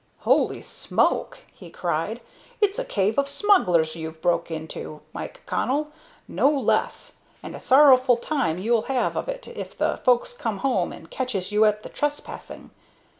"Holy smoke!" he cried; "it's a cave of smugglers you've broke into, Mike Connell, no less, and a sorrowful time ye'll have of it if the folks comes home and catches you at the trespassing!